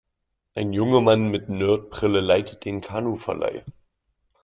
Ein junger Mann mit Nerd-Brille leitet den Kanuverleih.